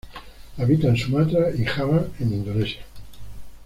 Habita en Sumatra y Java en Indonesia.